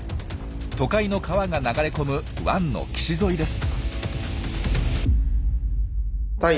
都会の川が流れ込む湾の岸沿いです。